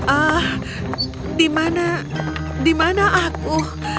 ah di mana di mana aku